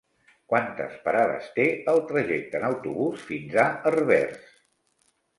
Quantes parades té el trajecte en autobús fins a Herbers?